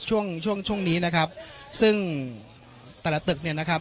ช่วงช่วงช่วงนี้นะครับซึ่งแต่ละตึกเนี่ยนะครับ